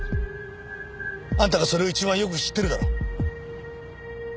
あんたがそれを一番よく知ってるだろ。